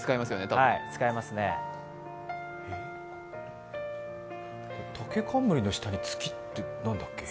たけかんむりの下に月って何だっけ？